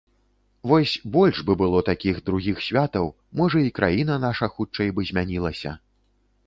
Вось больш бы было такіх другіх святаў, можа, і краіна наша хутчэй бы змянілася.